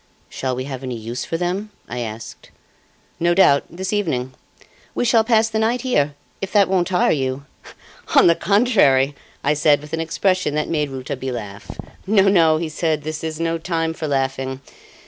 "Shall we have any use for them?" I asked. "No doubt; this evening. We shall pass the night here if that won't tire you?" "On the contrary," I said with an expression that made Rouletabille laugh. "No, no," he said, "this is no time for laughing.